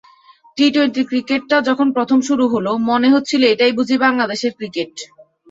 T twenty ক্রিকেটটা যখন প্রথম শুরু হলো, মনে হচ্ছিল এটাই বুঝি বাংলাদেশের ক্রিকেট।